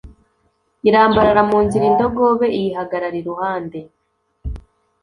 irambarara mu nzira indogobe iyihagarara iruhande